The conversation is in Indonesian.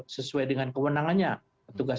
sesuai dengan kewenangannya tugas